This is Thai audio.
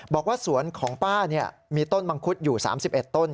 บอกว่าสวนของป้ามีต้นมังคุดอยู่๓๑ต้น